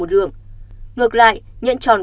một lượng ngược lại nhãn tròn